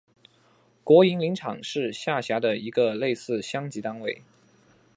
国营林场是下辖的一个类似乡级单位。